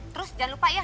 terus jangan lupa ya